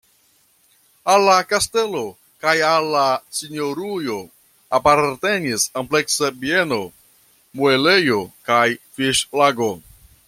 Al la kastelo kaj al la sinjorujo apartenis ampleksa bieno, muelejo kaj fiŝlago.